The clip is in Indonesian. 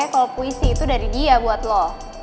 kalau puisi itu dari dia buat lo